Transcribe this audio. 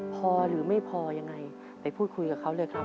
พอหรือไม่พอยังไงไปพูดคุยกับเขาเลยครับ